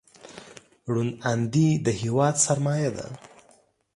روڼ اندي د هېواد سرمایه ده.